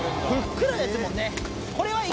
ふっくらですもんね。